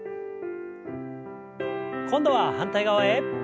今度は反対側へ。